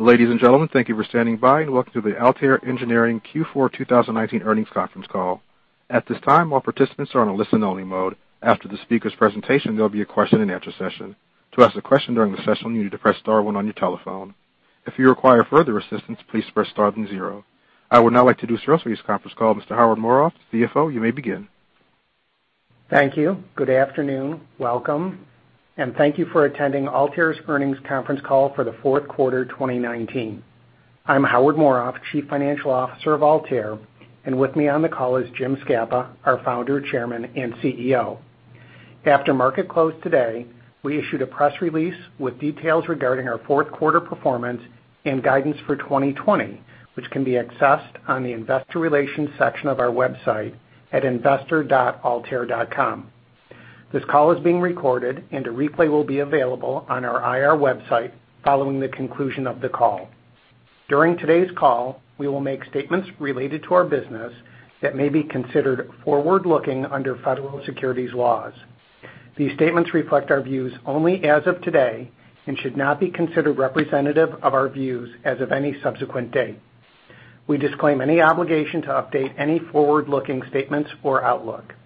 Ladies and gentlemen, thank you for standing by, and welcome to the Altair Engineering Q4 2019 Earnings Conference Call. At this time, all participants are on a listen-only mode. After the speakers' presentation, there'll be a question-and-answer session. To ask a question during the session, you need to press star one on your telephone. If you require further assistance, please press star then zero. I would now like to introduce for this conference call Mr. Howard Morof, CFO. You may begin. Thank you. Good afternoon. Welcome, and thank you for attending Altair's earnings conference call for the fourth quarter, 2019. I'm Howard Morof, Chief Financial Officer of Altair, and with me on the call is Jim Scapa, our Founder, Chairman, and CEO. After market close today, we issued a press release with details regarding our fourth quarter performance and guidance for 2020, which can be accessed on the investor relations section of our website at investor.altair.com. This call is being recorded, and a replay will be available on our IR website following the conclusion of the call. During today's call, we will make statements related to our business that may be considered forward-looking under federal securities laws. These statements reflect our views only as of today and should not be considered representative of our views as of any subsequent date. We disclaim any obligation to update any forward-looking statements or outlook.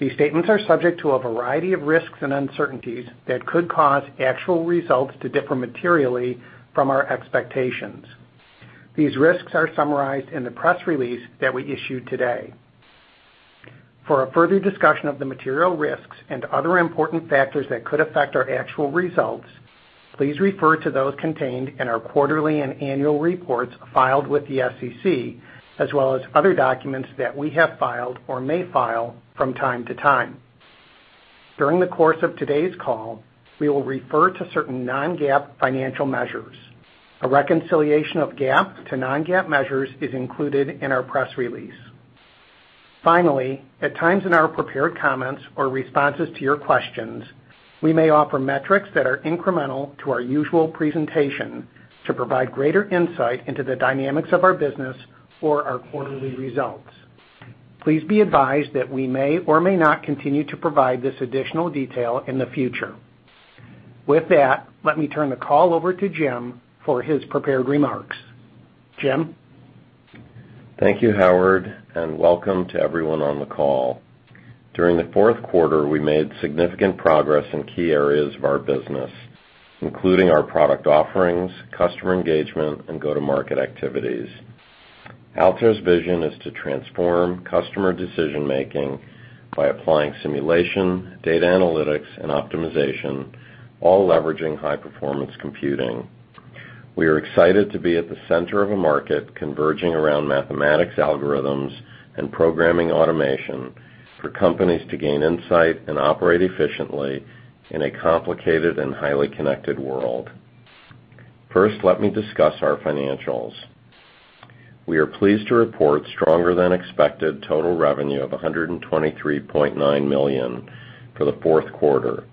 These statements are subject to a variety of risks and uncertainties that could cause actual results to differ materially from our expectations. These risks are summarized in the press release that we issued today. For a further discussion of the material risks and other important factors that could affect our actual results, please refer to those contained in our quarterly and annual reports filed with the SEC, as well as other documents that we have filed or may file from time to time. During the course of today's call, we will refer to certain non-GAAP financial measures. A reconciliation of GAAP to non-GAAP measures is included in our press release. Finally, at times in our prepared comments or responses to your questions, we may offer metrics that are incremental to our usual presentation to provide greater insight into the dynamics of our business or our quarterly results. Please be advised that we may or may not continue to provide this additional detail in the future. With that, let me turn the call over to Jim for his prepared remarks. Jim? Thank you, Howard. Welcome to everyone on the call. During the fourth quarter, we made significant progress in key areas of our business, including our product offerings, customer engagement, and go-to-market activities. Altair's vision is to transform customer decision-making by applying simulation, data analytics, and optimization, all leveraging high-performance computing. We are excited to be at the center of a market converging around mathematics algorithms and programming automation for companies to gain insight and operate efficiently in a complicated and highly connected world. First, let me discuss our financials. We are pleased to report stronger-than-expected total revenue of $123.9 million for the fourth quarter,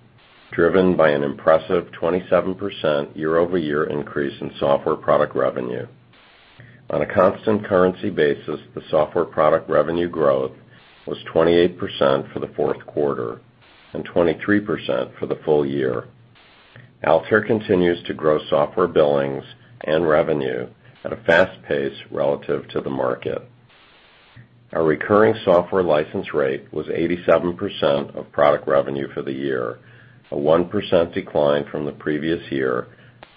driven by an impressive 27% year-over-year increase in software product revenue. On a constant currency basis, the software product revenue growth was 28% for the fourth quarter and 23% for the full year. Altair continues to grow software billings and revenue at a fast pace relative to the market. Our recurring software license rate was 87% of product revenue for the year, a 1% decline from the previous year,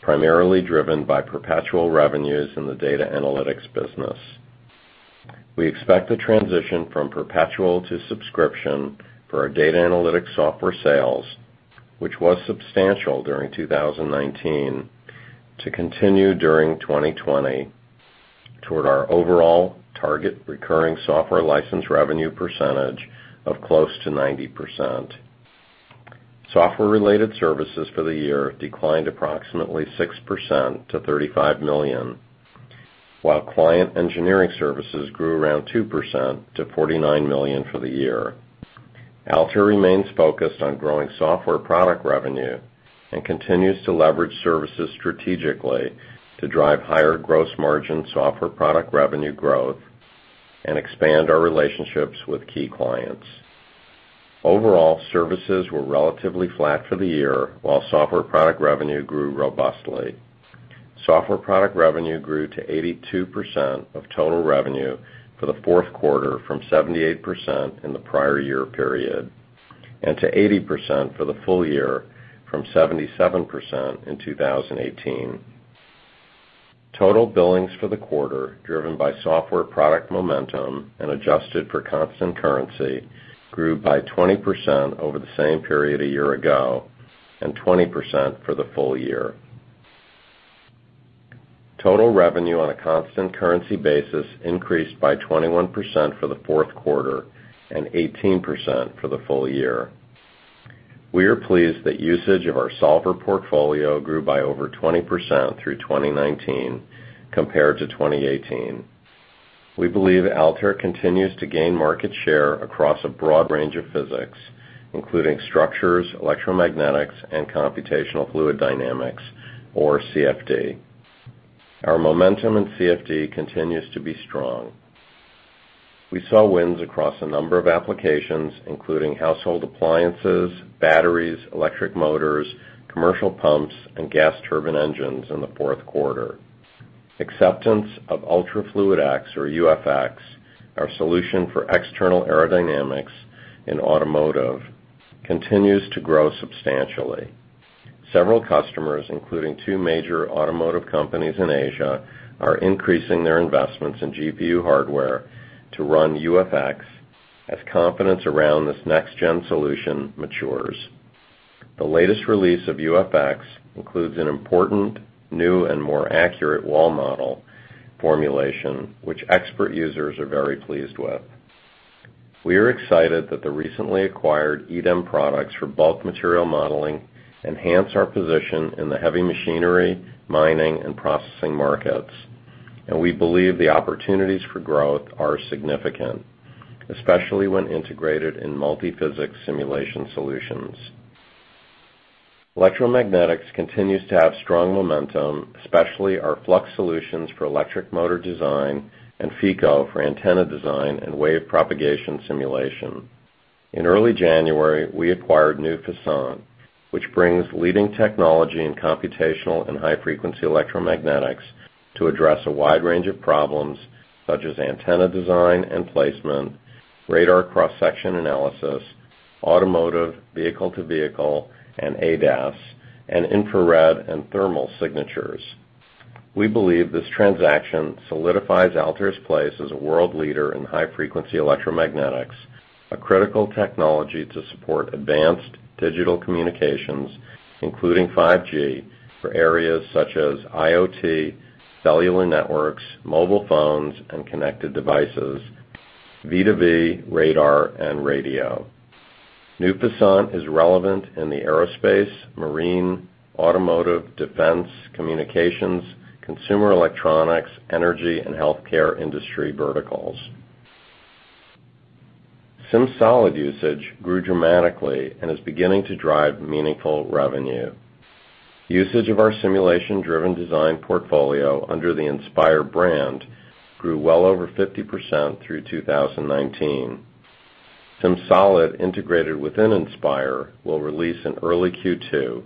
primarily driven by perpetual revenues in the data analytics business. We expect the transition from perpetual to subscription for our data analytics software sales, which was substantial during 2019, to continue during 2020 toward our overall target recurring software license revenue percentage of close to 90%. Software-related services for the year declined approximately 6% to $35 million, while client engineering services grew around 2% to $49 million for the year. Altair remains focused on growing software product revenue and continues to leverage services strategically to drive higher gross margin software product revenue growth and expand our relationships with key clients. Overall, services were relatively flat for the year while software product revenue grew robustly. Software product revenue grew to 82% of total revenue for the fourth quarter from 78% in the prior year period, and to 80% for the full year from 77% in 2018. Total billings for the quarter, driven by software product momentum and adjusted for constant currency, grew by 20% over the same period a year ago and 20% for the full year. Total revenue on a constant currency basis increased by 21% for the fourth quarter and 18% for the full year. We are pleased that usage of our solver portfolio grew by over 20% through 2019 compared to 2018. We believe Altair continues to gain market share across a broad range of physics, including structures, electromagnetics, and computational fluid dynamics, or CFD. Our momentum in CFD continues to be strong. We saw wins across a number of applications, including household appliances, batteries, electric motors, commercial pumps, and gas turbine engines in the fourth quarter. Acceptance of ultraFluidX, or uFX, our solution for external aerodynamics in automotive, continues to grow substantially. Several customers, including two major automotive companies in Asia, are increasing their investments in GPU hardware to run uFX as confidence around this next-gen solution matures. The latest release of uFX includes an important new and more accurate wall model formulation, which expert users are very pleased with. We are excited that the recently acquired EDEM products for bulk material modeling enhance our position in the heavy machinery, mining, and processing markets. We believe the opportunities for growth are significant, especially when integrated in multi-physics simulation solutions. Electromagnetics continues to have strong momentum, especially our Flux solutions for electric motor design and FEKO for antenna design and wave propagation simulation. In early January, we acquired newFASANT, which brings leading technology in computational and high-frequency electromagnetics to address a wide range of problems such as antenna design and placement, radar cross-section analysis, automotive vehicle-to-vehicle and ADAS, and infrared and thermal signatures. We believe this transaction solidifies Altair's place as a world leader in high-frequency electromagnetics, a critical technology to support advanced digital communications, including 5G, for areas such as IoT, cellular networks, mobile phones, and connected devices, V2V, radar, and radio. newFASANT is relevant in the aerospace, marine, automotive, defense, communications, consumer electronics, energy, and healthcare industry verticals. SimSolid usage grew dramatically and is beginning to drive meaningful revenue. Usage of our simulation-driven design portfolio under the Inspire brand grew well over 50% through 2019. SimSolid, integrated within Inspire, will release in early Q2.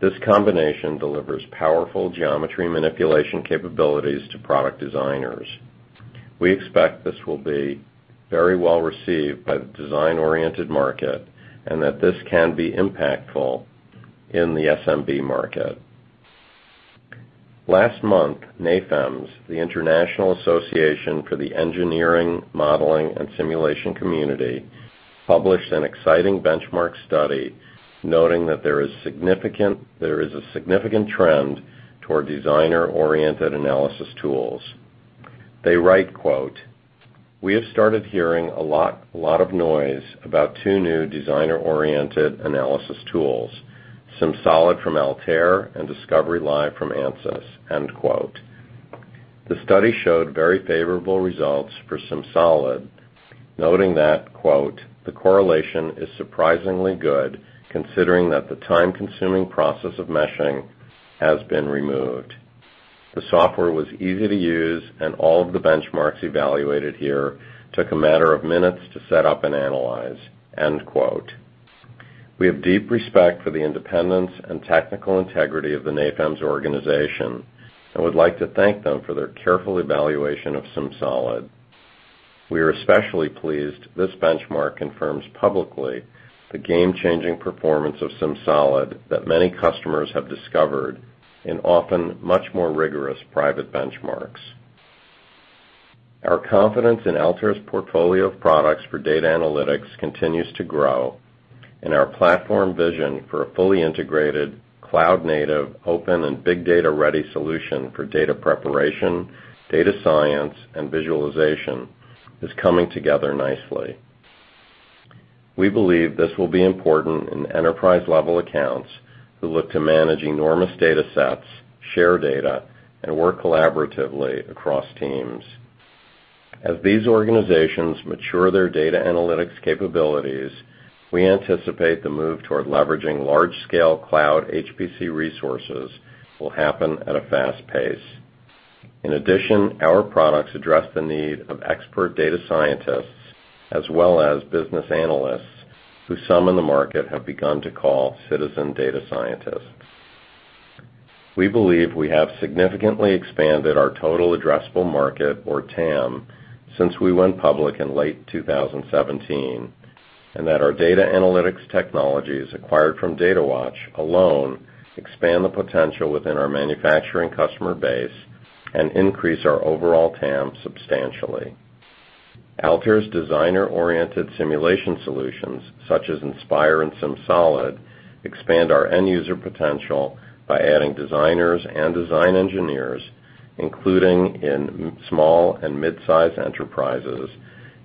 This combination delivers powerful geometry manipulation capabilities to product designers. We expect this will be very well-received by the design-oriented market and that this can be impactful in the SMB market. Last month, NAFEMS, the International Association for the Engineering, Modeling, and Simulation Community, published an exciting benchmark study noting that there is a significant trend toward designer-oriented analysis tools. They write, quote, "We have started hearing a lot of noise about two new designer-oriented analysis tools, SimSolid from Altair and Discovery Live from Ansys." End quote. The study showed very favorable results for SimSolid, noting that, quote, "The correlation is surprisingly good, considering that the time-consuming process of meshing has been removed. The software was easy to use, and all of the benchmarks evaluated here took a matter of minutes to set up and analyze." End quote. We have deep respect for the independence and technical integrity of the NAFEMS organization and would like to thank them for their careful evaluation of SimSolid. We are especially pleased this benchmark confirms publicly the game-changing performance of SimSolid that many customers have discovered in often much more rigorous private benchmarks. Our confidence in Altair's portfolio of products for data analytics continues to grow, and our platform vision for a fully integrated, cloud-native, open, and big data-ready solution for data preparation, data science, and visualization is coming together nicely. We believe this will be important in enterprise-level accounts who look to manage enormous data sets, share data, and work collaboratively across teams. As these organizations mature their data analytics capabilities, we anticipate the move toward leveraging large-scale cloud HPC resources will happen at a fast pace. In addition, our products address the need of expert data scientists as well as business analysts, who some in the market have begun to call citizen data scientists. We believe we have significantly expanded our total addressable market, or TAM, since we went public in late 2017, and that our data analytics technologies acquired from Datawatch alone expand the potential within our manufacturing customer base and increase our overall TAM substantially. Altair's designer-oriented simulation solutions, such as Inspire and SimSolid, expand our end-user potential by adding designers and design engineers, including in small and mid-size enterprises,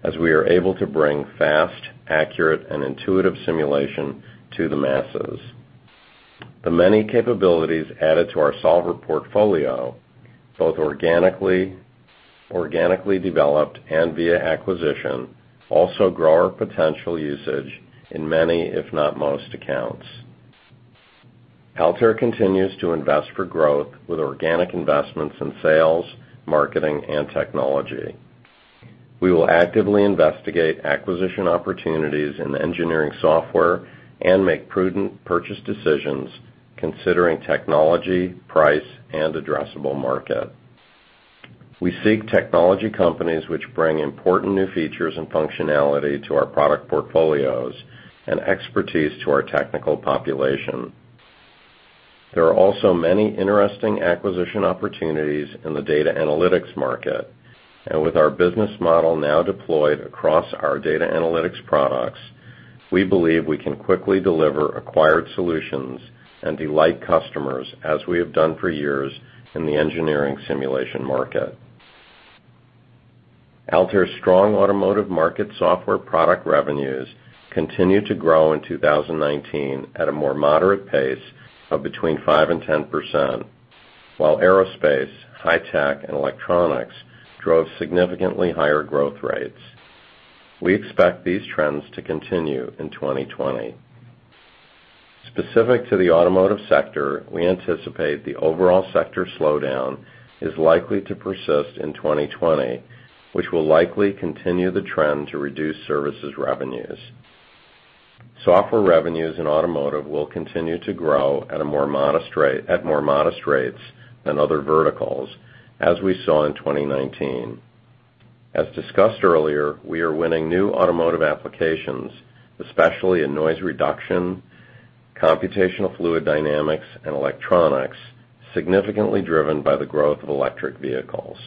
as we are able to bring fast, accurate, and intuitive simulation to the masses. The many capabilities added to our solver portfolio, both organically developed and via acquisition, also grow our potential usage in many, if not most, accounts. Altair continues to invest for growth with organic investments in sales, marketing, and technology. We will actively investigate acquisition opportunities in engineering software and make prudent purchase decisions considering technology, price, and addressable market. We seek technology companies which bring important new features and functionality to our product portfolios and expertise to our technical population. There are also many interesting acquisition opportunities in the data analytics market. With our business model now deployed across our data analytics products, we believe we can quickly deliver acquired solutions and delight customers as we have done for years in the engineering simulation market. Altair's strong automotive market software product revenues continued to grow in 2019 at a more moderate pace of between 5% and 10%, while aerospace, high tech, and electronics drove significantly higher growth rates. We expect these trends to continue in 2020. Specific to the automotive sector, we anticipate the overall sector slowdown is likely to persist in 2020, which will likely continue the trend to reduce services revenues. Software revenues in automotive will continue to grow at more modest rates than other verticals, as we saw in 2019. As discussed earlier, we are winning new automotive applications, especially in noise reduction, computational fluid dynamics, and electronics, significantly driven by the growth of electric vehicles.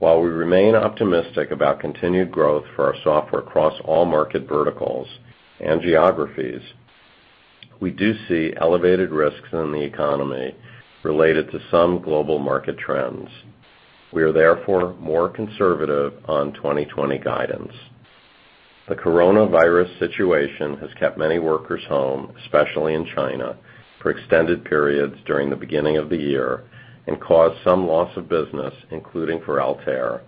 While we remain optimistic about continued growth for our software across all market verticals and geographies, we do see elevated risks in the economy related to some global market trends. We are therefore more conservative on 2020 guidance. The coronavirus situation has kept many workers home, especially in China, for extended periods during the beginning of the year and caused some loss of business, including for Altair.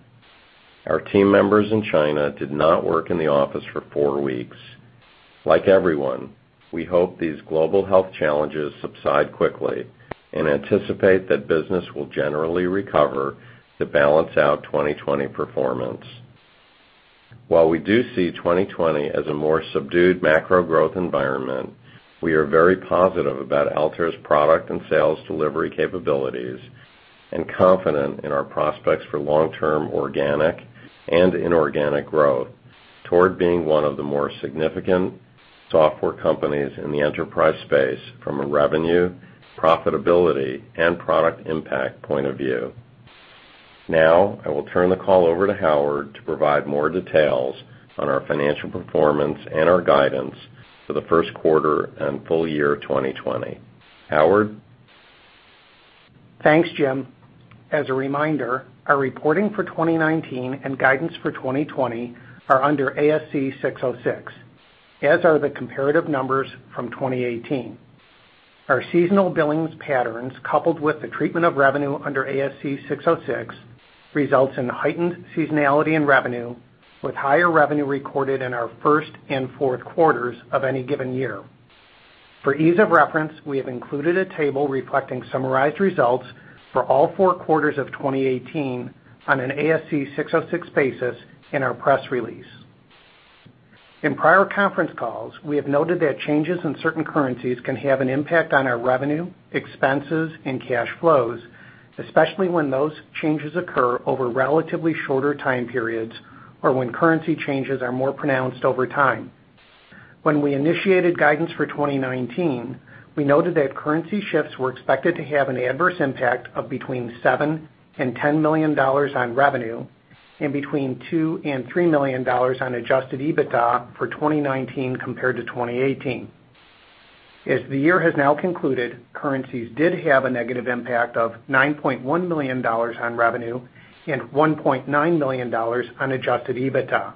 Our team members in China did not work in the office for four weeks. Like everyone, we hope these global health challenges subside quickly and anticipate that business will generally recover to balance out 2020 performance. While we do see 2020 as a more subdued macro growth environment, we are very positive about Altair's product and sales delivery capabilities and confident in our prospects for long-term organic and inorganic growth toward being one of the more significant software companies in the enterprise space from a revenue, profitability, and product impact point of view. I will turn the call over to Howard to provide more details on our financial performance and our guidance for the first quarter and full year 2020. Howard? Thanks, Jim. As a reminder, our reporting for 2019 and guidance for 2020 are under ASC 606, as are the comparative numbers from 2018. Our seasonal billings patterns, coupled with the treatment of revenue under ASC 606, results in heightened seasonality in revenue, with higher revenue recorded in our first and fourth quarters of any given year. For ease of reference, we have included a table reflecting summarized results for all four quarters of 2018 on an ASC 606 basis in our press release. In prior conference calls, we have noted that changes in certain currencies can have an impact on our revenue, expenses, and cash flows, especially when those changes occur over relatively shorter time periods or when currency changes are more pronounced over time. When we initiated guidance for 2019, we noted that currency shifts were expected to have an adverse impact of between $7 million and $10 million on revenue and between $2 million and $3 million on adjusted EBITDA for 2019 compared to 2018. As the year has now concluded, currencies did have a negative impact of $9.1 million on revenue and $1.9 million on adjusted EBITDA.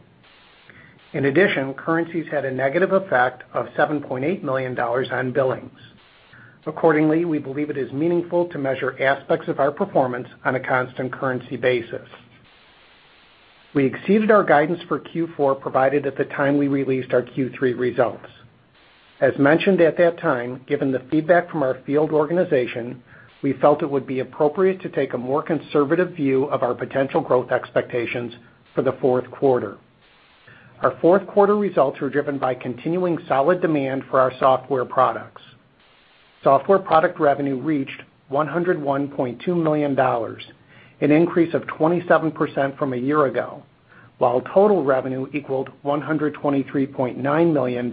In addition, currencies had a negative effect of $7.8 million on billings. Accordingly, we believe it is meaningful to measure aspects of our performance on a constant currency basis. We exceeded our guidance for Q4 provided at the time we released our Q3 results. As mentioned at that time, given the feedback from our field organization, we felt it would be appropriate to take a more conservative view of our potential growth expectations for the fourth quarter. Our fourth quarter results were driven by continuing solid demand for our software products. Software product revenue reached $101.2 million, an increase of 27% from a year ago, while total revenue equaled $123.9 million,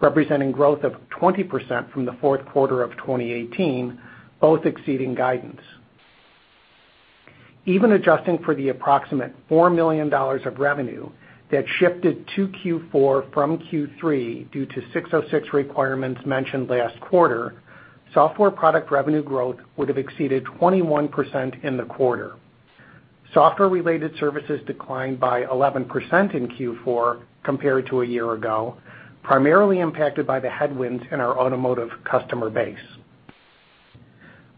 representing growth of 20% from the fourth quarter of 2018, both exceeding guidance. Even adjusting for the approximate $4 million of revenue that shifted to Q4 from Q3 due to ASC 606 requirements mentioned last quarter, software product revenue growth would have exceeded 21% in the quarter. Software-related services declined by 11% in Q4 compared to a year ago, primarily impacted by the headwinds in our automotive customer base.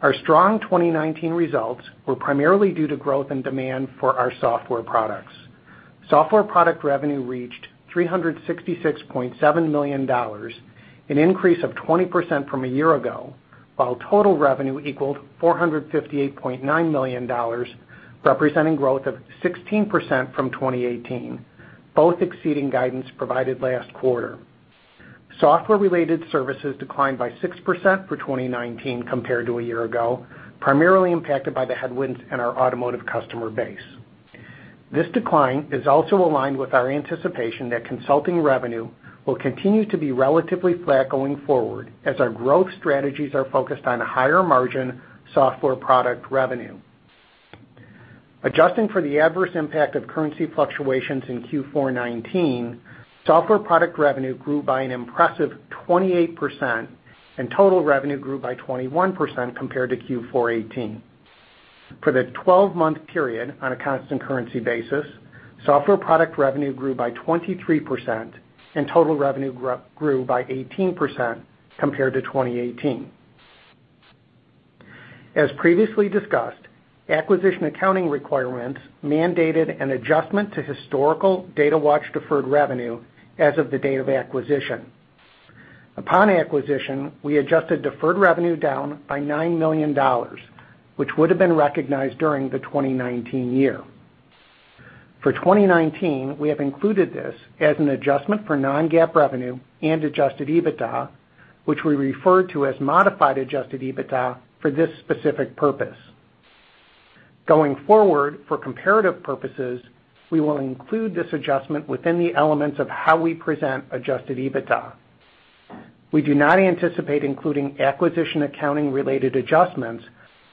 Our strong 2019 results were primarily due to growth and demand for our software products. Software product revenue reached $366.7 million, an increase of 20% from a year ago, while total revenue equaled $458.9 million, representing growth of 16% from 2018, both exceeding guidance provided last quarter. Software related services declined by 6% for 2019 compared to a year ago, primarily impacted by the headwinds in our automotive customer base. This decline is also aligned with our anticipation that consulting revenue will continue to be relatively flat going forward, as our growth strategies are focused on a higher margin software product revenue. Adjusting for the adverse impact of currency fluctuations in Q4 2019, software product revenue grew by an impressive 28%, and total revenue grew by 21% compared to Q4 2018. For the 12-month period, on a constant currency basis, software product revenue grew by 23%, and total revenue grew by 18% compared to 2018. As previously discussed, acquisition accounting requirements mandated an adjustment to historical Datawatch deferred revenue as of the date of acquisition. Upon acquisition, we adjusted deferred revenue down by $9 million, which would've been recognized during the 2019 year. For 2019, we have included this as an adjustment for non-GAAP revenue and adjusted EBITDA, which we refer to as modified adjusted EBITDA for this specific purpose. Going forward, for comparative purposes, we will include this adjustment within the elements of how we present adjusted EBITDA. We do not anticipate including acquisition accounting related adjustments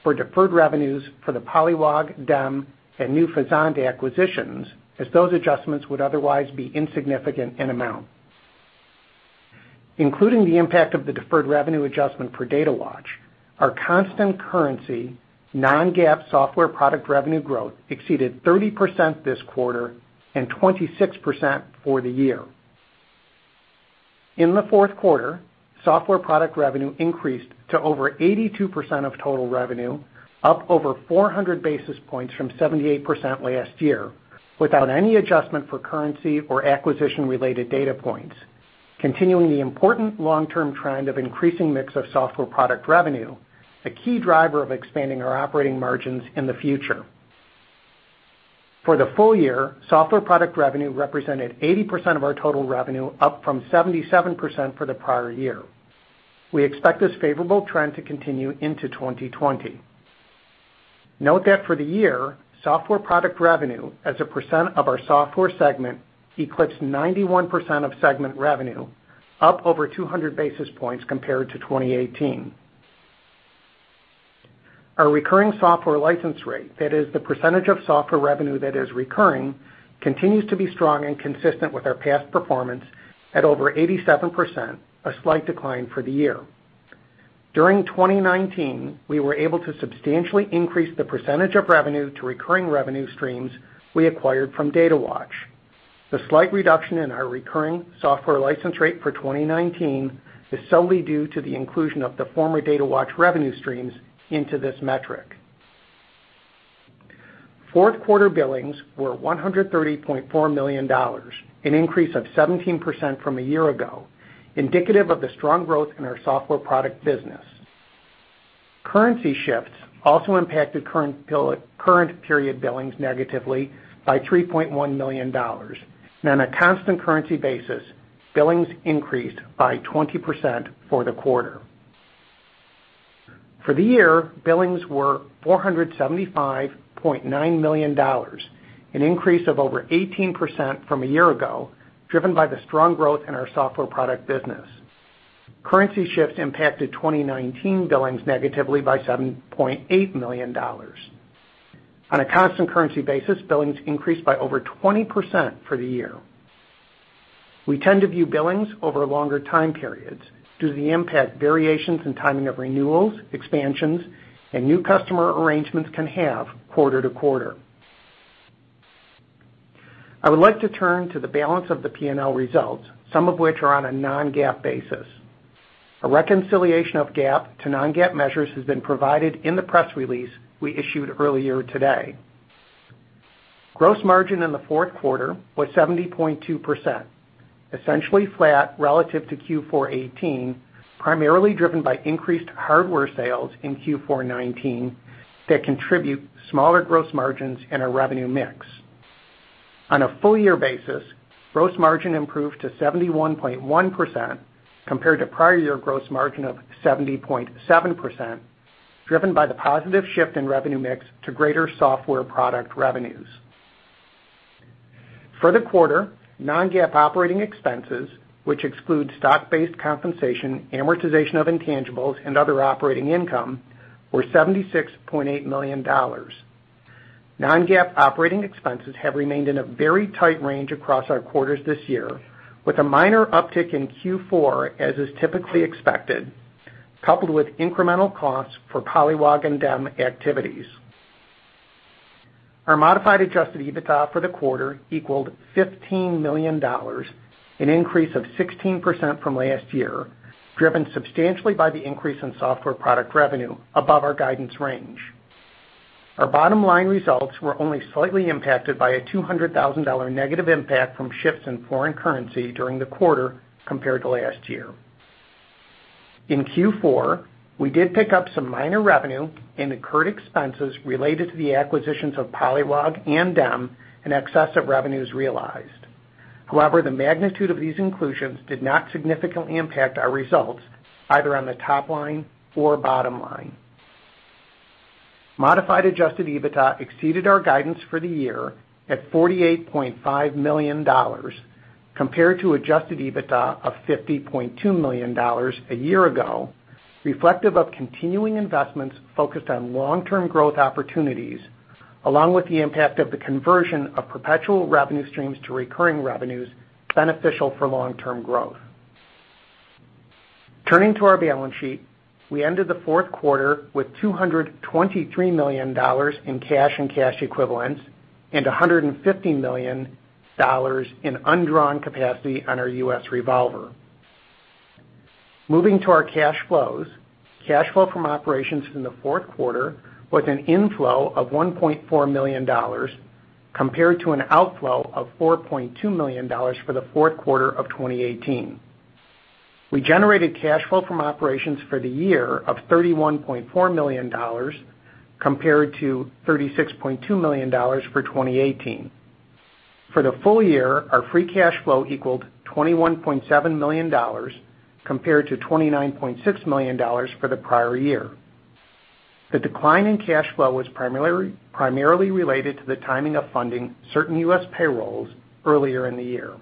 for deferred revenues for the Polliwog, DEM, and newFASANT acquisitions, as those adjustments would otherwise be insignificant in amount. Including the impact of the deferred revenue adjustment for Datawatch, our constant currency non-GAAP software product revenue growth exceeded 30% this quarter and 26% for the year. In the fourth quarter, software product revenue increased to over 82% of total revenue, up over 400 basis points from 78% last year without any adjustment for currency or acquisition related data points. Continuing the important long-term trend of increasing mix of software product revenue, a key driver of expanding our operating margins in the future. For the full year, software product revenue represented 80% of our total revenue, up from 77% for the prior year. We expect this favorable trend to continue into 2020. Note that for the year, software product revenue as a percent of our software segment eclipsed 91% of segment revenue, up over 200 basis points compared to 2018. Our recurring software license rate, that is the percentage of software revenue that is recurring, continues to be strong and consistent with our past performance at over 87%, a slight decline for the year. During 2019, we were able to substantially increase the percentage of revenue to recurring revenue streams we acquired from Datawatch. The slight reduction in our recurring software license rate for 2019 is solely due to the inclusion of the former Datawatch revenue streams into this metric. Fourth quarter billings were $130.4 million, an increase of 17% from a year ago, indicative of the strong growth in our software product business. Currency shifts also impacted current period billings negatively by $3.1 million. On a constant currency basis, billings increased by 20% for the quarter. For the year, billings were $475.9 million, an increase of over 18% from a year ago, driven by the strong growth in our software product business. Currency shifts impacted 2019 billings negatively by $7.8 million. On a constant currency basis, billings increased by over 20% for the year. We tend to view billings over longer time periods due to the impact variations in timing of renewals, expansions, and new customer arrangements can have quarter to quarter. I would like to turn to the balance of the P&L results, some of which are on a non-GAAP basis. A reconciliation of GAAP to non-GAAP measures has been provided in the press release we issued earlier today. Gross margin in the fourth quarter was 70.2%, essentially flat relative to Q4 2018, primarily driven by increased hardware sales in Q4 2019 that contribute smaller gross margins in our revenue mix. On a full year basis, gross margin improved to 71.1% compared to prior year gross margin of 70.7%, driven by the positive shift in revenue mix to greater software product revenues. For the quarter, non-GAAP operating expenses, which exclude stock-based compensation, amortization of intangibles, and other operating income, were $76.8 million. Non-GAAP operating expenses have remained in a very tight range across our quarters this year with a minor uptick in Q4, as is typically expected, coupled with incremental costs for Polliwog and DEM activities. Our modified adjusted EBITDA for the quarter equaled $15 million, an increase of 16% from last year, driven substantially by the increase in software product revenue above our guidance range. Our bottom line results were only slightly impacted by a $200,000 negative impact from shifts in foreign currency during the quarter compared to last year. In Q4, we did pick up some minor revenue and incurred expenses related to the acquisitions of Polliwog and DEM in excess of revenues realized. However, the magnitude of these inclusions did not significantly impact our results either on the top line or bottom line. Modified adjusted EBITDA exceeded our guidance for the year at $48.5 million, compared to adjusted EBITDA of $50.2 million a year ago, reflective of continuing investments focused on long-term growth opportunities, along with the impact of the conversion of perpetual revenue streams to recurring revenues, beneficial for long-term growth. Turning to our balance sheet, we ended the fourth quarter with $223 million in cash and cash equivalents and $150 million in undrawn capacity on our U.S. revolver. Moving to our cash flows, cash flow from operations in the fourth quarter was an inflow of $1.4 million compared to an outflow of $4.2 million for the fourth quarter of 2018. We generated cash flow from operations for the year of $31.4 million compared to $36.2 million for 2018. For the full year, our free cash flow equaled $21.7 million compared to $29.6 million for the prior year. The decline in cash flow was primarily related to the timing of funding certain U.S. payrolls earlier in the year.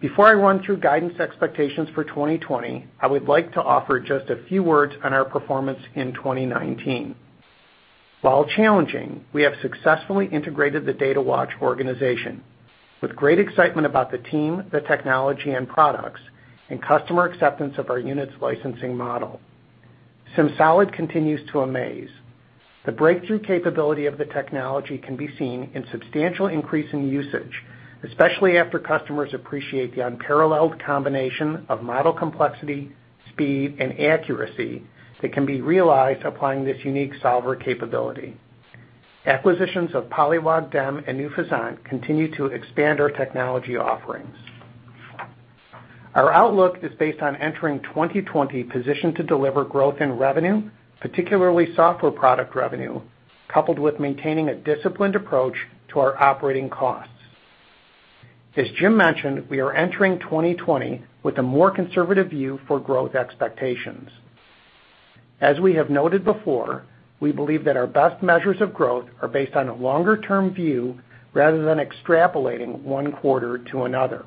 Before I run through guidance expectations for 2020, I would like to offer just a few words on our performance in 2019. While challenging, we have successfully integrated the Datawatch organization with great excitement about the team, the technology and products, and customer acceptance of our unit's licensing model. SimSolid continues to amaze. The breakthrough capability of the technology can be seen in substantial increase in usage, especially after customers appreciate the unparalleled combination of model complexity, speed, and accuracy that can be realized applying this unique solver capability. Acquisitions of Polliwog, DEM, and newFASANT continue to expand our technology offerings. Our outlook is based on entering 2020 positioned to deliver growth in revenue, particularly software product revenue, coupled with maintaining a disciplined approach to our operating costs. As Jim mentioned, we are entering 2020 with a more conservative view for growth expectations. As we have noted before, we believe that our best measures of growth are based on a longer-term view rather than extrapolating one quarter to another.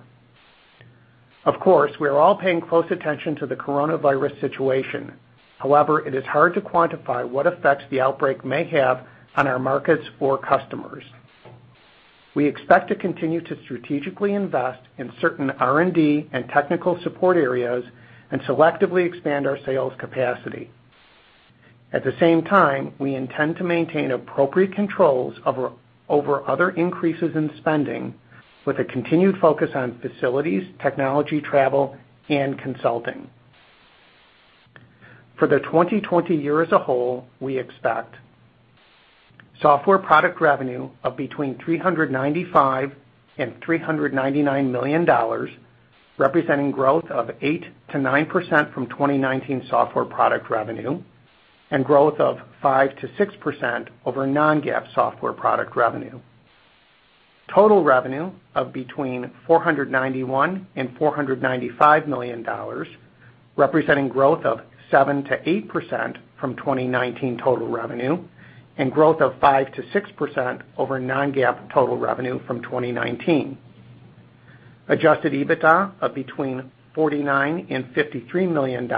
Of course, we are all paying close attention to the coronavirus situation. However, it is hard to quantify what effects the outbreak may have on our markets or customers. We expect to continue to strategically invest in certain R&D and technical support areas and selectively expand our sales capacity. At the same time, we intend to maintain appropriate controls over other increases in spending with a continued focus on facilities, technology, travel, and consulting. For the 2020 year as a whole, we expect software product revenue of between $395 million and $399 million, representing growth of 8%-9% from 2019 software product revenue, and growth of 5%-6% over non-GAAP software product revenue. Total revenue of between $491 million and $495 million, representing growth of 7%-8% from 2019 total revenue and growth of 5%-6% over non-GAAP total revenue from 2019. Adjusted EBITDA of between $49 million and $53 million,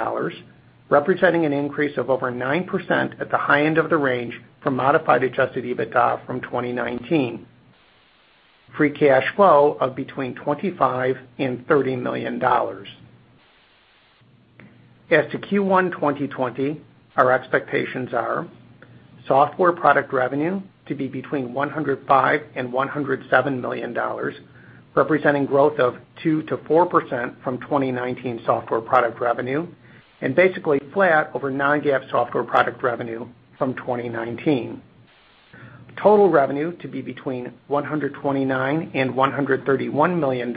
representing an increase of over 9% at the high end of the range for modified adjusted EBITDA from 2019. Free cash flow of between $25 million and $30 million. As to Q1 2020, our expectations are software product revenue to be between $105 million and $107 million, representing growth of 2%-4% from 2019 software product revenue, and basically flat over non-GAAP software product revenue from 2019. Total revenue to be between $129 million and $131 million,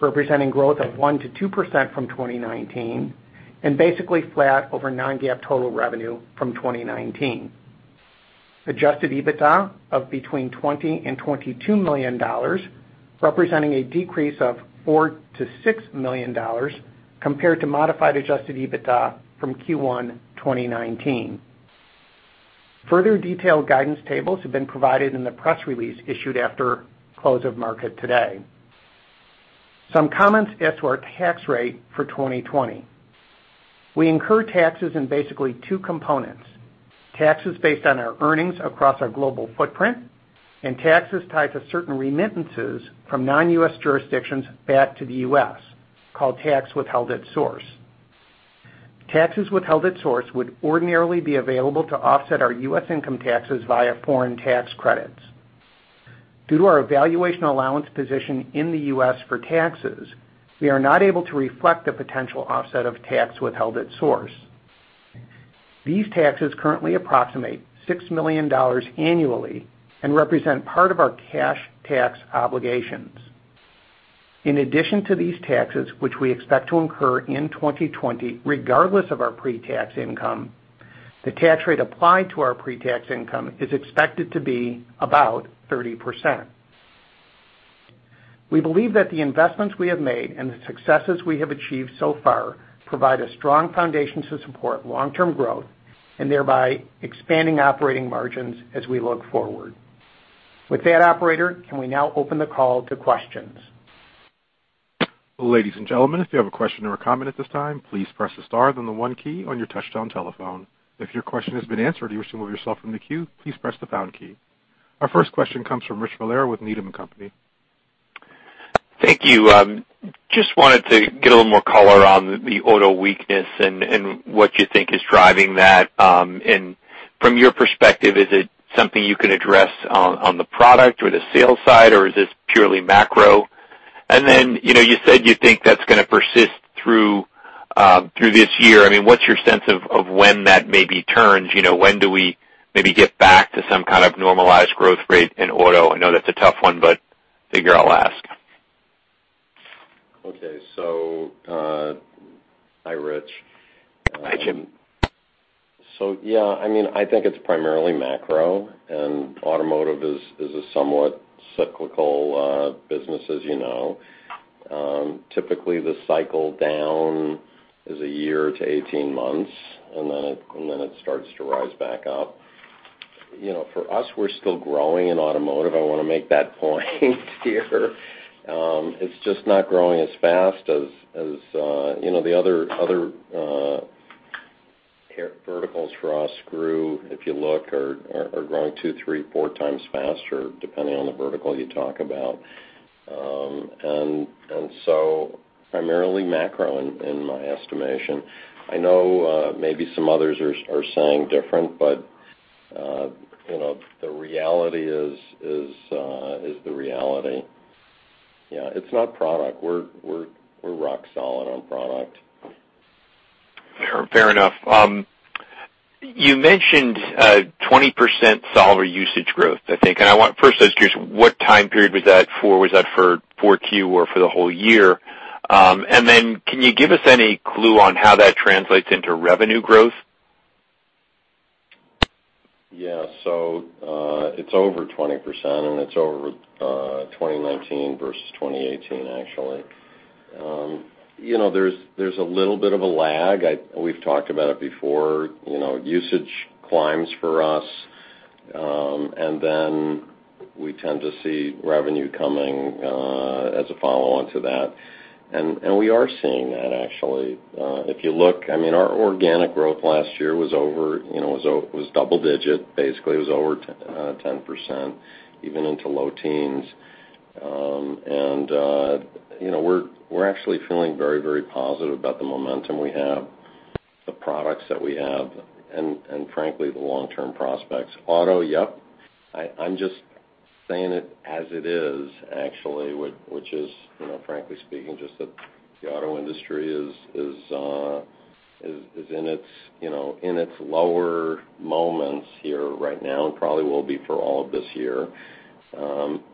representing growth of 1%-2% from 2019, and basically flat over non-GAAP total revenue from 2019. Adjusted EBITDA of between $20 million and $22 million, representing a decrease of $4 million-$6 million compared to modified adjusted EBITDA from Q1 2019. Further detailed guidance tables have been provided in the press release issued after close of market today. Some comments as to our tax rate for 2020. We incur taxes in basically two components, taxes based on our earnings across our global footprint and taxes tied to certain remittances from non-U.S. jurisdictions back to the U.S. called tax withheld at source. Taxes withheld at source would ordinarily be available to offset our U.S. income taxes via foreign tax credits. Due to our valuation allowance position in the U.S. for taxes, we are not able to reflect a potential offset of tax withheld at source. These taxes currently approximate $6 million annually and represent part of our cash tax obligations. In addition to these taxes, which we expect to incur in 2020, regardless of our pre-tax income, the tax rate applied to our pre-tax income is expected to be about 30%. We believe that the investments we have made and the successes we have achieved so far provide a strong foundation to support long-term growth, and thereby expanding operating margins as we look forward. With that, operator, can we now open the call to questions? Ladies and gentlemen, if you have a question or a comment at this time, please press the star then the one key on your touch-tone telephone. If your question has been answered or you wish to remove yourself from the queue, please press the pound key. Our first question comes from Rich Valera with Needham and Company. Thank you. Just wanted to get a little more color on the auto weakness and what you think is driving that. From your perspective, is it something you can address on the product or the sales side, or is this purely macro? You said you think that's going to persist through this year. What's your sense of when that maybe turns? When do we maybe get back to some kind of normalized growth rate in auto? I know that's a tough one, but figure I'll ask. Okay. Hi, Rich. Hi, Jim. Yeah. I think it's primarily macro, and automotive is a somewhat cyclical business, as you know. Typically, the cycle down is a year to 18 months. Then it starts to rise back up. For us, we're still growing in automotive. I want to make that point clear. It's just not growing as fast as the other verticals for us grew, if you look, are growing 2x, 3x, 4x faster, depending on the vertical you talk about. Primarily macro, in my estimation. I know maybe some others are saying different. The reality is the reality. Yeah, it's not product. We're rock solid on product. Fair enough. You mentioned 20% solver usage growth, I think. First, I was curious, what time period was that for? Was that 4Q or for the whole year? Then can you give us any clue on how that translates into revenue growth? Yeah. It's over 20%, and it's over 2019 versus 2018, actually. There's a little bit of a lag. We've talked about it before. Usage climbs for us, and then we tend to see revenue coming as a follow-on to that. We are seeing that, actually. If you look, our organic growth last year was double digit. Basically, it was over 10%, even into low teens. We're actually feeling very positive about the momentum we have, the products that we have, and frankly, the long-term prospects. Auto, yep. I'm just saying it as it is actually, which is frankly speaking, just that the auto industry is in its lower moments here right now, and probably will be for all of this year.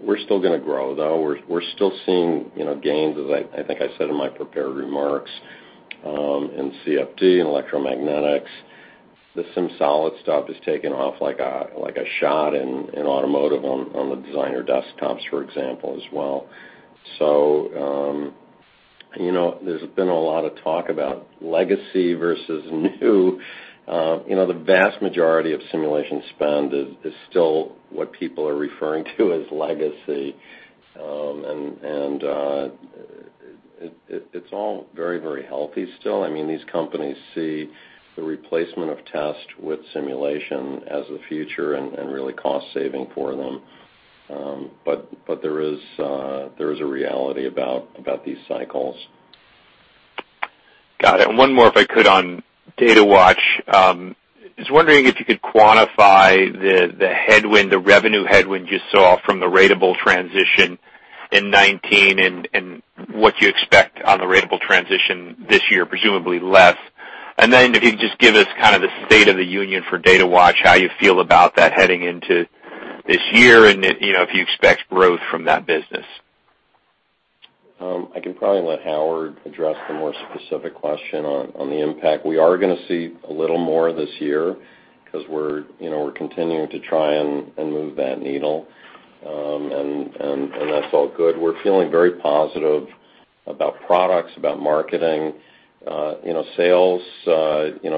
We're still going to grow, though. We're still seeing gains, as I think I said in my prepared remarks, in CFD and electromagnetics. The SimSolid stuff has taken off like a shot in automotive on the designer desktops, for example, as well. There's been a lot of talk about legacy versus new. The vast majority of simulation spend is still what people are referring to as legacy. It's all very healthy still. These companies see the replacement of test with simulation as the future and really cost-saving for them. There is a reality about these cycles. Got it. One more, if I could, on Datawatch. Just wondering if you could quantify the revenue headwind you saw from the ratable transition in 2019 and what you expect on the ratable transition this year, presumably less. If you could just give us the state of the union for Datawatch, how you feel about that heading into this year and if you expect growth from that business. I can probably let Howard address the more specific question on the impact. We are going to see a little more this year because we're continuing to try and move that needle. That's all good. We're feeling very positive about products, about marketing. Sales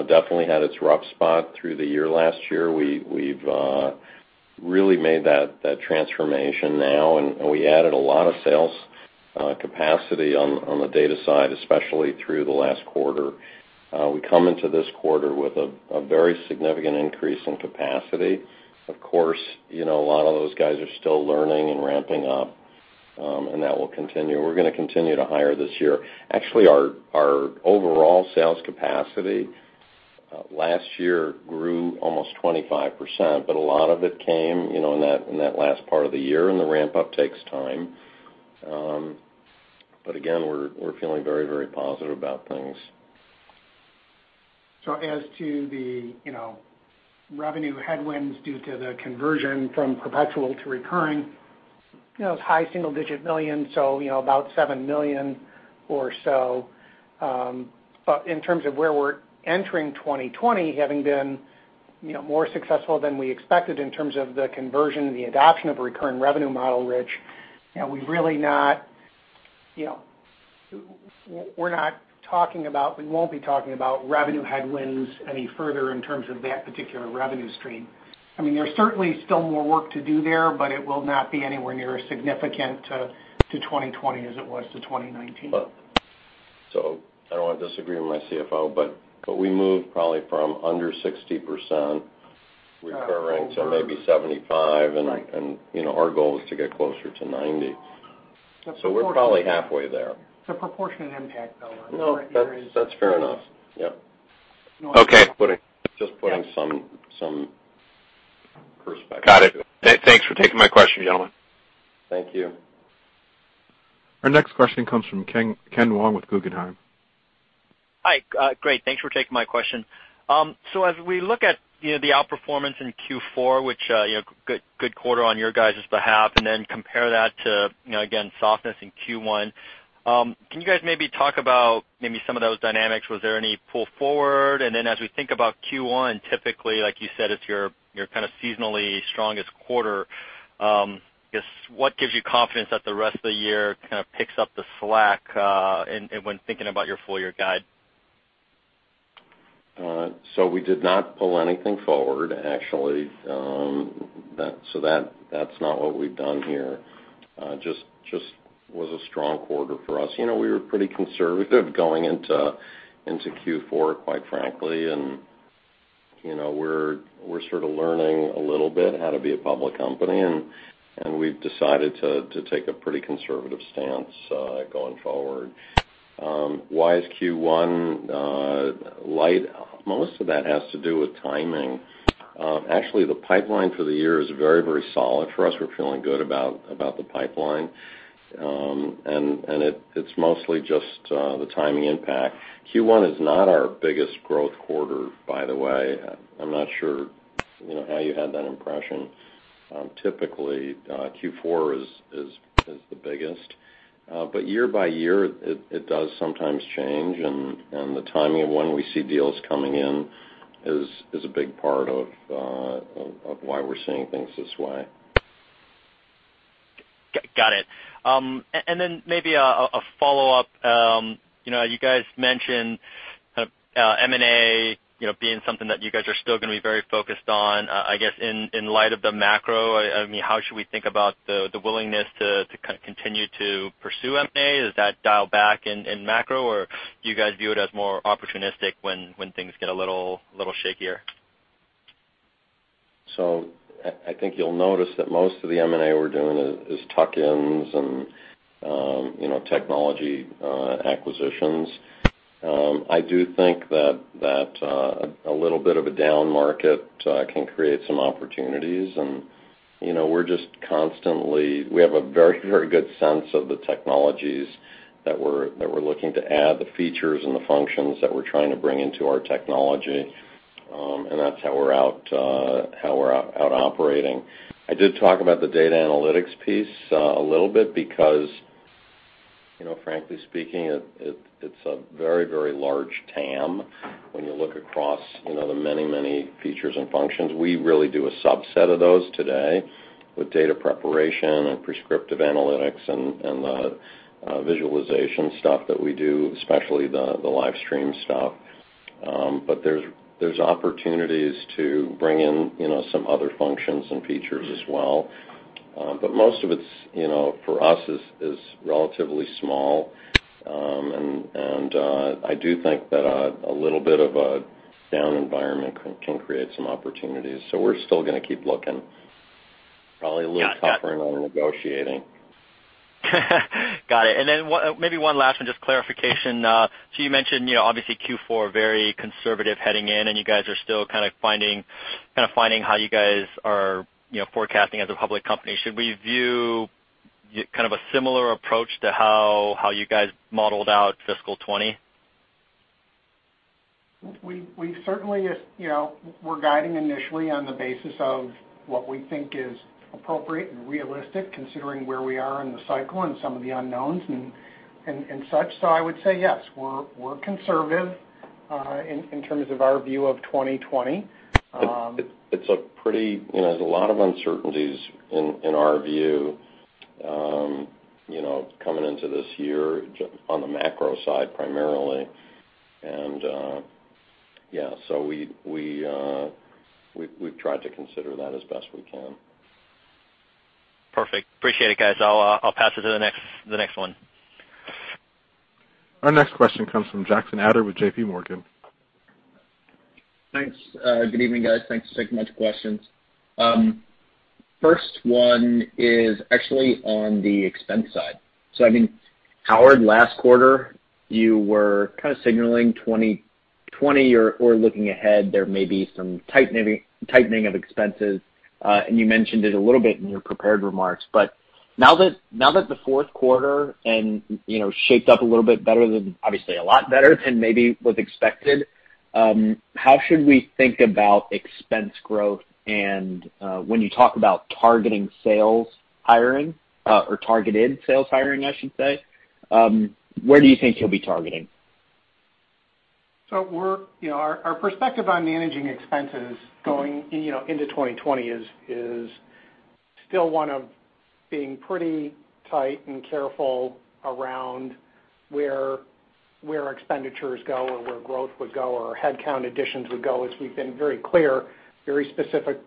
definitely had its rough spot through the year last year. We've really made that transformation now, and we added a lot of sales capacity on the data side, especially through the last quarter. We come into this quarter with a very significant increase in capacity. Of course, a lot of those guys are still learning and ramping up. That will continue. We're going to continue to hire this year. Actually, our overall sales capacity last year grew almost 25%, but a lot of it came in that last part of the year and the ramp up takes time. Again, we're feeling very positive about things. As to the revenue headwinds due to the conversion from perpetual to recurring, it was high single digit million, about $7 million or so. In terms of where we're entering 2020, having been more successful than we expected in terms of the conversion and the adoption of a recurring revenue model, Rich, we won't be talking about revenue headwinds any further in terms of that particular revenue stream. There's certainly still more work to do there, but it will not be anywhere near as significant to 2020 as it was to 2019. I don't want to disagree with my CFO, but we moved probably from under 60% recurring to maybe 75%, and our goal is to get closer to 90%. We're probably halfway there. It's a proportionate impact, though, Rich. No, that's fair enough. Yep. Okay. Just putting some perspective. Got it. Thanks for taking my question, gentlemen. Thank you. Our next question comes from Ken Wong with Guggenheim. Hi. Great. Thanks for taking my question. As we look at the outperformance in Q4, which good quarter on your guys' behalf, and then compare that to, again, softness in Q1, can you guys maybe talk about maybe some of those dynamics? Was there any pull forward? As we think about Q1, typically, like you said, it's your kind of seasonally strongest quarter. I guess, what gives you confidence that the rest of the year kind of picks up the slack when thinking about your full year guide? We did not pull anything forward, actually. That's not what we've done here. Just was a strong quarter for us. We were pretty conservative going into Q4, quite frankly, and we're sort of learning a little bit how to be a public company, and we've decided to take a pretty conservative stance going forward. Why is Q1 light? Most of that has to do with timing. Actually, the pipeline for the year is very solid for us. We're feeling good about the pipeline. It's mostly just the timing impact. Q1 is not our biggest growth quarter, by the way. I'm not sure how you had that impression. Typically, Q4 is the biggest. Year by year, it does sometimes change, and the timing of when we see deals coming in is a big part of why we're seeing things this way. Got it. Maybe a follow-up. You guys mentioned M&A being something that you guys are still going to be very focused on. I guess in light of the macro, how should we think about the willingness to continue to pursue M&A? Does that dial back in macro, or do you guys view it as more opportunistic when things get a little shakier? I think you'll notice that most of the M&A we're doing is tuck-ins and technology acquisitions. I do think that a little bit of a down market can create some opportunities, and we have a very good sense of the technologies that we're looking to add, the features and the functions that we're trying to bring into our technology. That's how we're out operating. I did talk about the data analytics piece a little bit because frankly speaking, it's a very, very large TAM. When you look across the many, many features and functions, we really do a subset of those today with data preparation and prescriptive analytics and the visualization stuff that we do, especially the live stream stuff. There's opportunities to bring in some other functions and .features as well. Most of it for us is relatively small. I do think that a little bit of a down environment can create some opportunities. We're still going to keep looking. Probably a little tougher on negotiating. Got it. Maybe one last one, just clarification. You mentioned, obviously Q4, very conservative heading in, and you guys are still kind of finding how you guys are forecasting as a public company. Should we view kind of a similar approach to how you guys modeled out fiscal 2020? We're guiding initially on the basis of what we think is appropriate and realistic, considering where we are in the cycle and some of the unknowns and such. I would say yes, we're conservative in terms of our view of 2020. There's a lot of uncertainties in our view coming into this year on the macro side, primarily. We've tried to consider that as best we can. Perfect. Appreciate it, guys. I'll pass it to the next one. Our next question comes from Jackson Ader with J.P. Morgan. Thanks. Good evening, guys. Thanks for taking my questions. First one is actually on the expense side. Howard, last quarter, you were kind of signaling 2020 or looking ahead, there may be some tightening of expenses. You mentioned it a little bit in your prepared remarks, now that the fourth quarter shaped up a little bit better than, obviously a lot better than maybe was expected, how should we think about expense growth? When you talk about targeting sales hiring or targeted sales hiring, I should say, where do you think you'll be targeting? Our perspective on managing expenses going into 2020 is still one of being pretty tight and careful around where our expenditures go or where growth would go or headcount additions would go, as we've been very clear, very specific,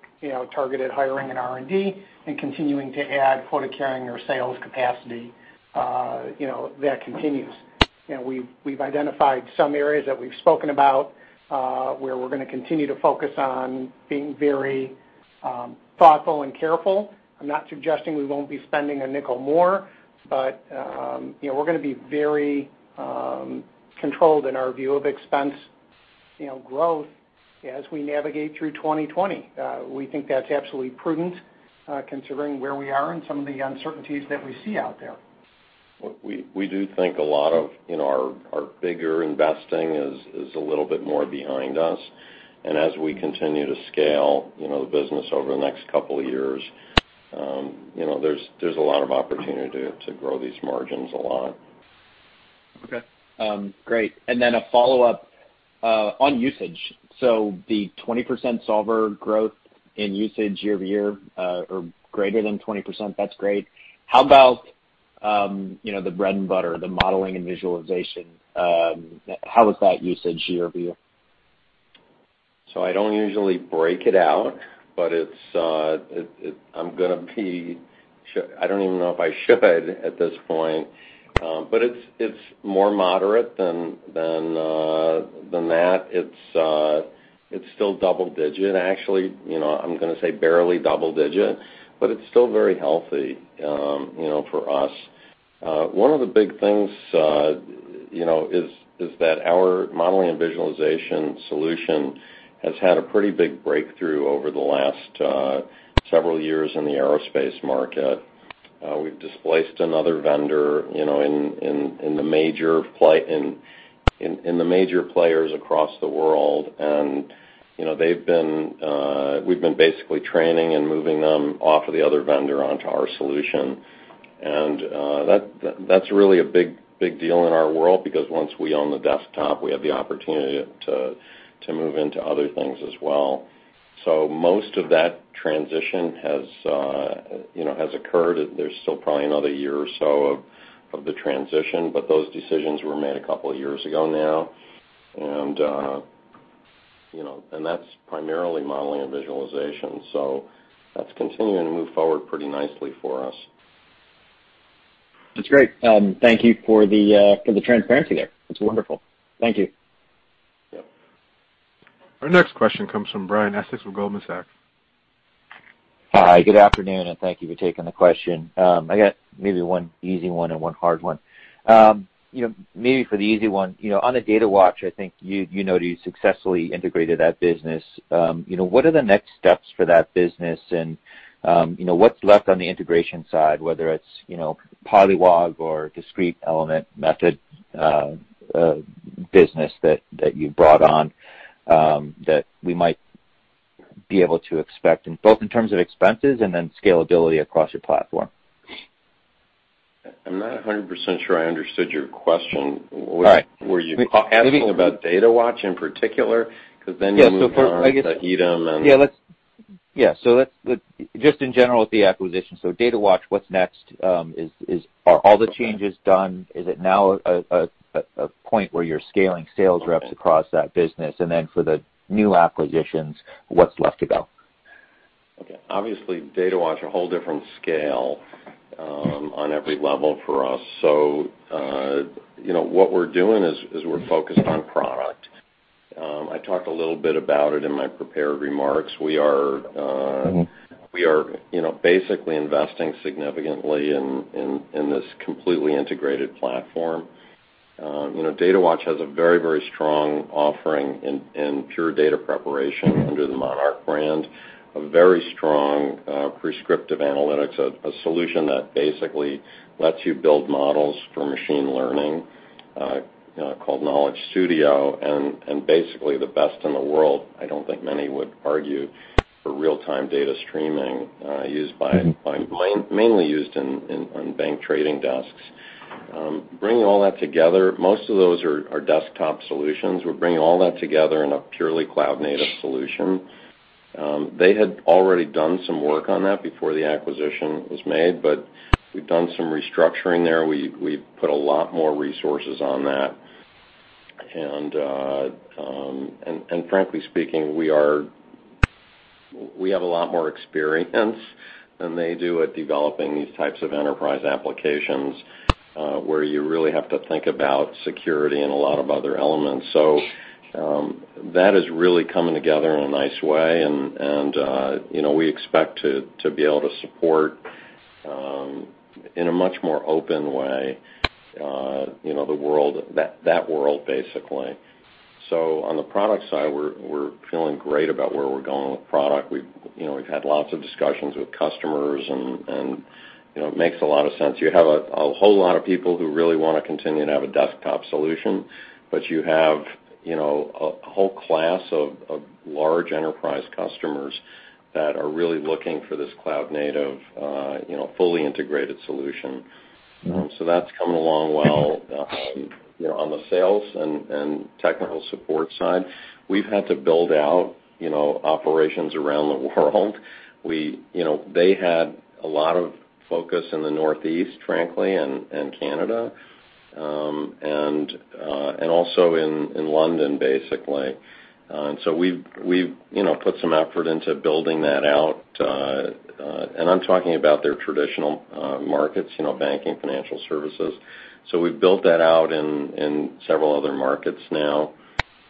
targeted hiring in R&D and continuing to add quota carrying or sales capacity that continues. We've identified some areas that we've spoken about, where we're going to continue to focus on being very thoughtful and careful. I'm not suggesting we won't be spending a nickel more, but we're going to be very controlled in our view of expense growth as we navigate through 2020. We think that's absolutely prudent considering where we are and some of the uncertainties that we see out there. We do think a lot of our bigger investing is a little bit more behind us. As we continue to scale the business over the next couple of years, there's a lot of opportunity to grow these margins a lot. Okay. Great. Then a follow-up on usage. The 20% solver growth in usage year-over-year or greater than 20%, that's great. How about the bread and butter, the modeling and visualization? How is that usage year-over-year? I don't usually break it out, but I don't even know if I should at this point. It's more moderate than that. It's still double digit. Actually, I'm going to say barely double digit, but it's still very healthy for us. One of the big things is that our modeling and visualization solution has had a pretty big breakthrough over the last several years in the aerospace market. We've displaced another vendor in the major players across the world, and we've been basically training and moving them off of the other vendor onto our solution. That's really a big deal in our world because once we own the desktop, we have the opportunity to move into other things as well. Most of that transition has occurred. There's still probably another year or so of the transition, but those decisions were made a couple of years ago now. That's primarily modeling and visualization. That's continuing to move forward pretty nicely for us. That's great. Thank you for the transparency there. That's wonderful. Thank you. Yep. Our next question comes from Brian Essex with Goldman Sachs. Hi, good afternoon, and thank you for taking the question. I got maybe one easy one and one hard one. Maybe for the easy one, on the Datawatch, I think you noted you successfully integrated that business. What are the next steps for that business, and what's left on the integration side, whether it's Polliwog or Discrete Element Method business that you brought on that we might be able to expect in both in terms of expenses and then scalability across your platform? I'm not 100% sure I understood your question. All right. Were you asking about Datawatch in particular? Then you moved on to EDEM and- Yeah. Just in general with the acquisition. Datawatch, what's next? Are all the changes done? Is it now a point where you're scaling sales reps across that business? For the new acquisitions, what's left to go? Okay. Obviously, Datawatch, a whole different scale on every level for us. What we're doing is we're focused on product. I talked a little bit about it in my prepared remarks. We are basically investing significantly in this completely integrated platform. Datawatch has a very, very strong offering in pure data preparation under the Monarch brand. A very strong prescriptive analytics, a solution that basically lets you build models for machine learning, called Knowledge Studio. Basically the best in the world, I don't think many would argue, for real-time data streaming mainly used on bank trading desks. Bringing all that together, most of those are our desktop solutions. We're bringing all that together in a purely cloud-native solution. They had already done some work on that before the acquisition was made, but we've done some restructuring there. We've put a lot more resources on that. Frankly speaking, we have a lot more experience than they do at developing these types of enterprise applications, where you really have to think about security and a lot of other elements. That is really coming together in a nice way, and we expect to be able to support in a much more open way that world, basically. On the product side, we're feeling great about where we're going with product. We've had lots of discussions with customers, and it makes a lot of sense. You have a whole lot of people who really want to continue to have a desktop solution, but you have a whole class of large enterprise customers that are really looking for this cloud-native, fully integrated solution. That's coming along well. On the sales and technical support side, we've had to build out operations around the world. They had a lot of focus in the Northeast, frankly, and Canada, and also in London, basically. We've put some effort into building that out. I'm talking about their traditional markets, banking, financial services. We've built that out in several other markets now,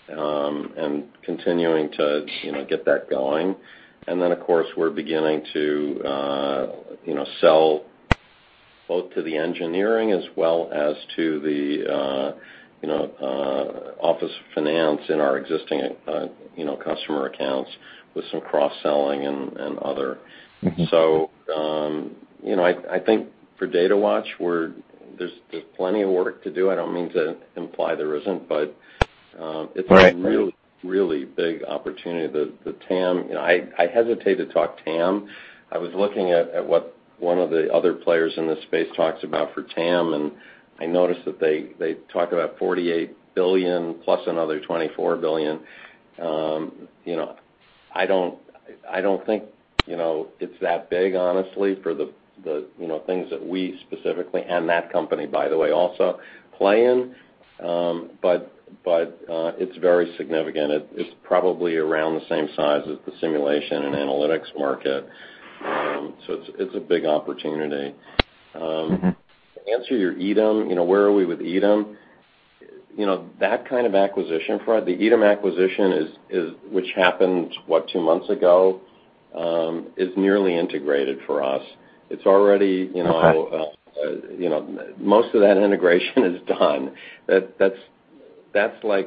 and continuing to get that going. Of course, we're beginning to sell both to the engineering as well as to the office of finance in our existing customer accounts with some cross-selling and other. I think for Datawatch, there's plenty of work to do. I don't mean to imply there isn't. Right It's a really big opportunity. I hesitate to talk TAM. I was looking at what one of the other players in this space talks about for TAM, and I noticed that they talk about $48 billion plus another $24 billion. I don't think it's that big, honestly, for the things that we specifically, and that company by the way, also play in. It's very significant. It's probably around the same size as the simulation and analytics market. It's a big opportunity. To answer your EDEM, where are we with EDEM? That kind of acquisition for us, the EDEM acquisition, which happened, what, two months ago, is nearly integrated for us. Okay. Most of that integration is done.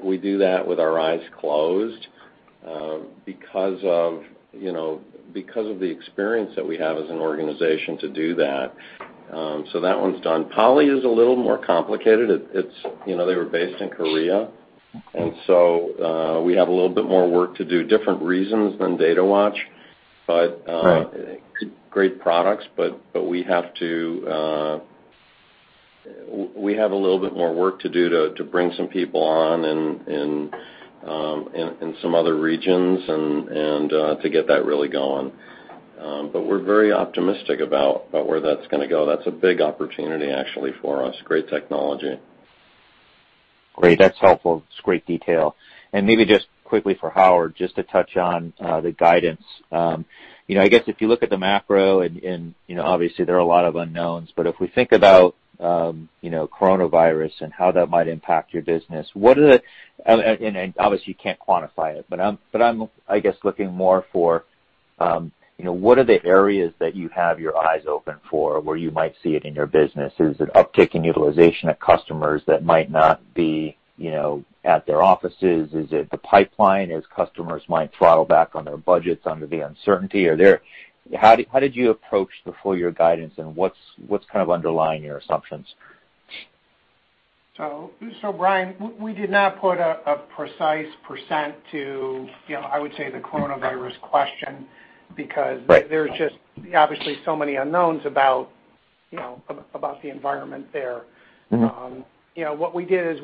We do that with our eyes closed, because of the experience that we have as an organization to do that. That one's done. Polliwog is a little more complicated. They were based in Korea. Okay. We have a little bit more work to do. Different reasons than Datawatch. Right. Great products, but we have a little bit more work to do to bring some people on in some other regions and to get that really going. We're very optimistic about where that's gonna go. That's a big opportunity, actually, for us. Great technology. Great. That's helpful. It's great detail. Maybe just quickly for Howard, just to touch on the guidance. I guess if you look at the macro, and obviously there are a lot of unknowns, but if we think about coronavirus and how that might impact your business, and obviously you can't quantify it, but I'm, I guess, looking more for what are the areas that you have your eyes open for where you might see it in your business? Is it uptick in utilization at customers that might not be at their offices? Is it the pipeline as customers might throttle back on their budgets under the uncertainty? How did you approach the full-year guidance, and what's kind of underlying your assumptions? Brian, we did not put a precise percent to, I would say, the coronavirus question because. Right There's just obviously so many unknowns about the environment there. What we did,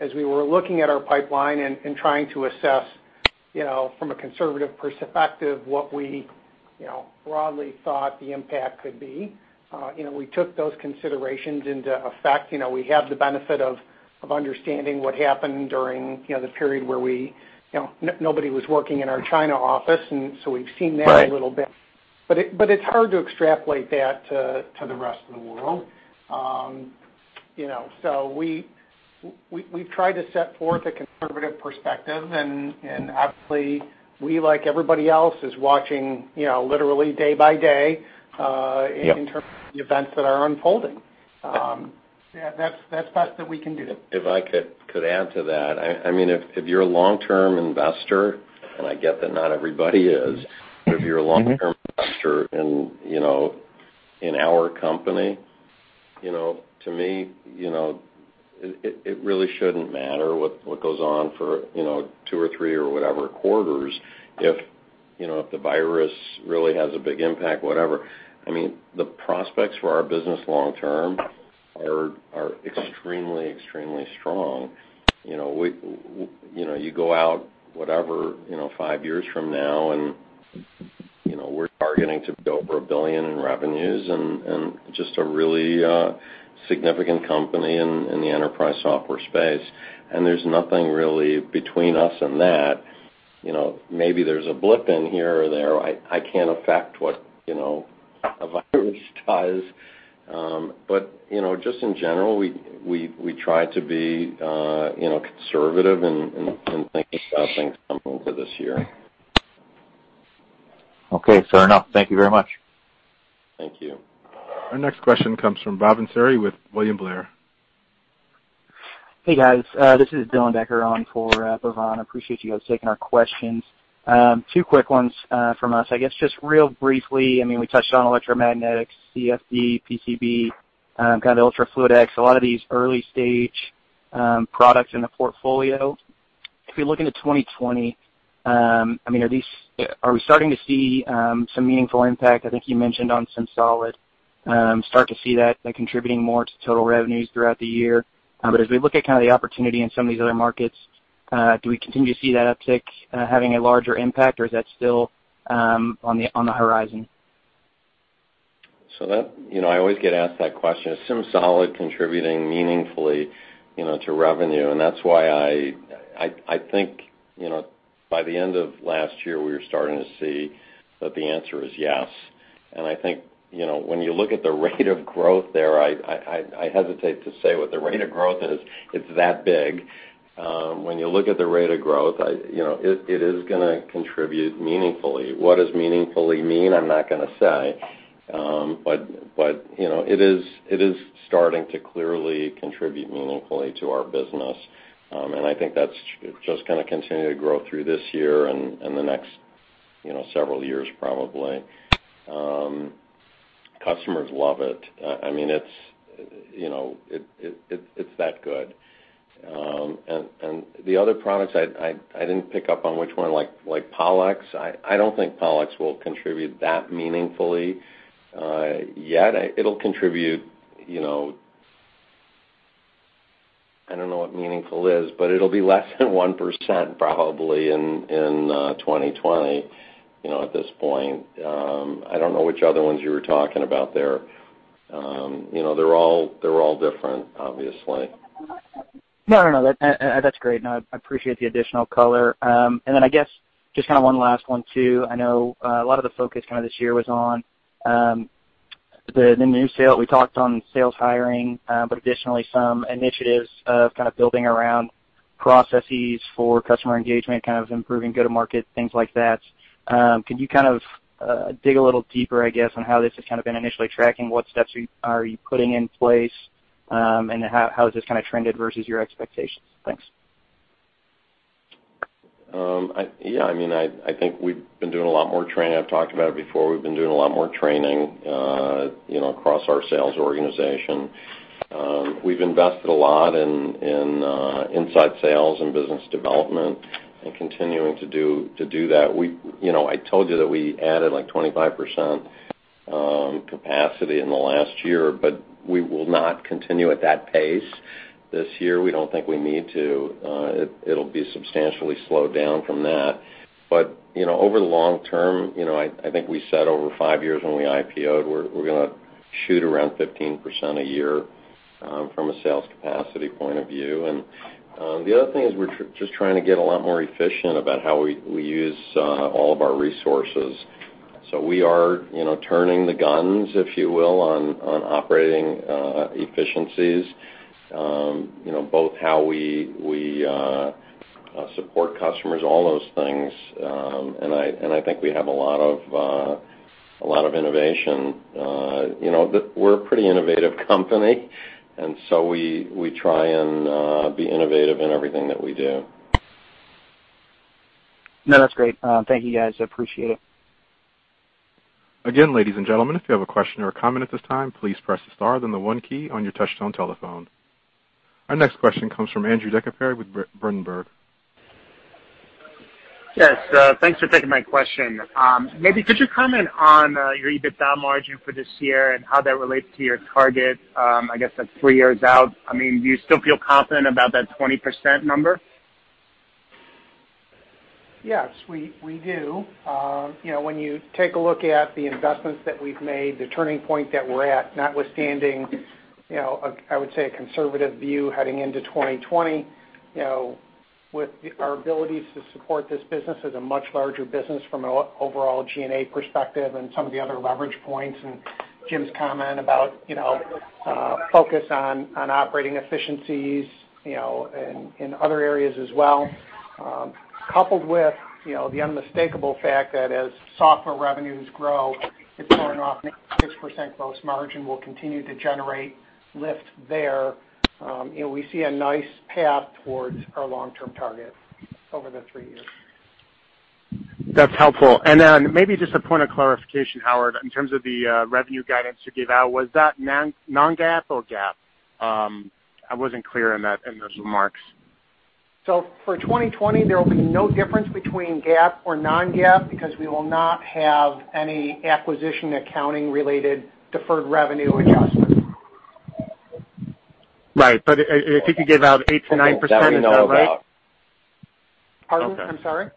as we were looking at our pipeline and trying to assess from a conservative perspective what we broadly thought the impact could be, we took those considerations into effect. We have the benefit of understanding what happened during the period where nobody was working in our China office, and so we've seen that. Right A little bit. It's hard to extrapolate that to the rest of the world. We've tried to set forth a conservative perspective, obviously, we, like everybody else, is watching literally day-by-day. Yep in terms of the events that are unfolding. Yeah, that's the best that we can do. If I could add to that. If you're a long-term investor, and I get that not everybody is, but if you're a long-term investor in our company, to me, it really shouldn't matter what goes on for two or three or whatever quarters, if the virus really has a big impact, whatever. The prospects for our business long term are extremely strong. You go out, whatever, five years from now, and we're targeting to bill for $1 billion in revenues and just a really significant company in the enterprise software space. There's nothing really between us and that. Maybe there's a blip in here or there. I can't affect what a virus does. Just in general, we try to be conservative in thinking about things coming for this year. Okay, fair enough. Thank you very much. Thank you. Our next question comes from Bhavan Suri with William Blair. Hey, guys. This is Dylan Becker on for Bhavan. Appreciate you guys taking our questions. Two quick ones from us. I guess, just real briefly, we touched on electromagnetics, CFD, PCB, kind of ultraFluidX, a lot of these early-stage products in the portfolio. If we look into 2020, are we starting to see some meaningful impact? I think you mentioned on SimSolid. Are we starting to see that contributing more to total revenues throughout the year? As we look at kind of the opportunity in some of these other markets, do we continue to see that uptick having a larger impact, or is that still on the horizon? That, I always get asked that question, is SimSolid contributing meaningfully to revenue? That's why I think, by the end of last year, we were starting to see that the answer is yes. I think, when you look at the rate of growth there, I hesitate to say what the rate of growth is. It's that big. When you look at the rate of growth, it is going to contribute meaningfully. What does meaningfully mean? I'm not going to say. It is starting to clearly contribute meaningfully to our business. I think that's just going to continue to grow through this year and the next several years, probably. Customers love it. It's that good. The other products, I didn't pick up on which one, like PollEx. I don't think PollEx will contribute that meaningfully yet. I don't know what meaningful is, but it'll be less than 1% probably in 2020, at this point. I don't know which other ones you were talking about there. They're all different, obviously. No, that's great. No, I appreciate the additional color. I guess just kind of one last one, too. I know a lot of the focus kind of this year was on the new sale. We talked on sales hiring, but additionally, some initiatives of kind of building around processes for customer engagement, kind of improving go-to-market, things like that. Can you kind of dig a little deeper, I guess, on how this has kind of been initially tracking? What steps are you putting in place, and how has this kind of trended versus your expectations? Thanks. Yeah, I think we've been doing a lot more training. I've talked about it before. We've been doing a lot more training across our sales organization. We've invested a lot in inside sales and business development, and continuing to do that. I told you that we added like 25% capacity in the last year, we will not continue at that pace this year. We don't think we need to. It'll be substantially slowed down from that. Over the long term, I think we said over five years when we IPO'd, we're going to shoot around 15% a year from a sales capacity point of view. The other thing is we're just trying to get a lot more efficient about how we use all of our resources. We are turning the guns, if you will, on operating efficiencies, both how we support customers, all those things. I think we have a lot of innovation. We're a pretty innovative company, we try and be innovative in everything that we do. No, that's great. Thank you, guys. I appreciate it. Again, ladies and gentlemen, if you have a question or a comment at this time, please press the star then the one key on your touchtone telephone. Our next question comes from Andrew DeGasperi with Berenberg. Yes, thanks for taking my question. Maybe could you comment on your EBITDA margin for this year and how that relates to your target, I guess that's three years out. Do you still feel confident about that 20% number? Yes, we do. When you take a look at the investments that we've made, the turning point that we're at, notwithstanding, I would say a conservative view heading into 2020, with our abilities to support this business as a much larger business from an overall G&A perspective and some of the other leverage points, and Jim's comment about focus on operating efficiencies, and in other areas as well, coupled with the unmistakable fact that as software revenues grow at more than 6% gross margin, we'll continue to generate lift there. We see a nice path towards our long-term target over the three years. That's helpful. Maybe just a point of clarification, Howard, in terms of the revenue guidance you gave out, was that non-GAAP or GAAP? I wasn't clear in those remarks. For 2020, there will be no difference between GAAP or non-GAAP because we will not have any acquisition accounting related deferred revenue adjustments. Right. I think you gave out 8%-9%, is that right? Pardon? I'm sorry?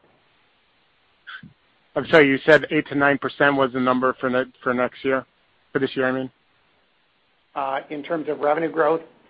I'm sorry. You said 8%-9% was the number for next year, for this year, I mean. In terms of revenue growth?